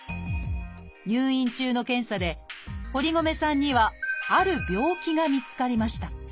入院中の検査で堀米さんにはある病気が見つかりました。